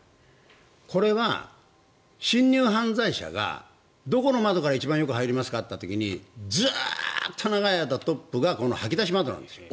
これは侵入犯罪者がどこの窓から一番入りますかといった時にずっと長い間トップが掃き出し窓なんです。